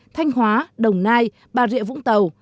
thanh hóa đồng nai bà rịa vũng tàu